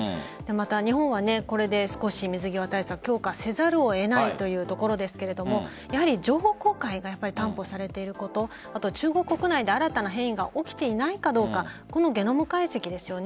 日本はこれで少し水際対策を強化せざるを得ないというところですが情報公開が担保されているところ中国国内で新たな変異が起きていないかどうかゲノム解析ですよね。